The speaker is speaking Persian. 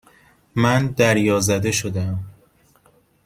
من دریازده شدهام.